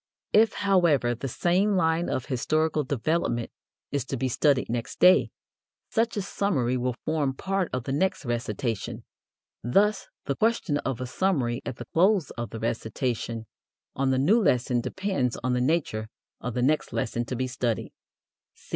If, however, the same line of historical development is to be studied next day, such a summary will form part of the next recitation. Thus the question of a summary at the close of the recitation on the new lesson depends on the nature of the next lesson to be studied.